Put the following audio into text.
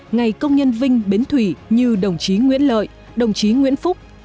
ngày công nhân vinh bến thủy như đồng chí nguyễn lợi đồng chí nguyễn phúc